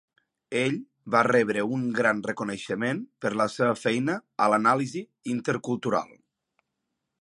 Ell va rebre un gran reconeixement per la seva feina a l"anàlisi inter-cultural.